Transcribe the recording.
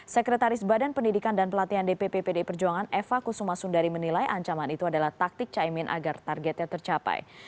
sekretaris badan pendidikan dan pelatihan dpp pdi perjuangan eva kusuma sundari menilai ancaman itu adalah taktik caimin agar targetnya tercapai